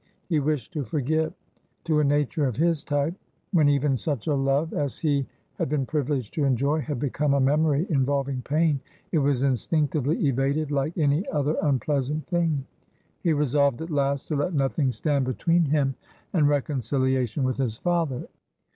He wished to forget. To a nature of his type, when even such a love as he had been privileged to enjoy had become a memory involving pain, it was instinctively evaded like any other unpleasant thing. He resolved, at last, to let nothing stand between him and reconciliation with his father.